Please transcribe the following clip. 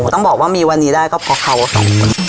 ต้องบอกว่ามีวันนี้ได้ก็เพราะเขาอะค่ะ